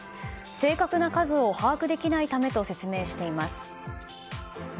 正確な数を把握できないためと説明しています。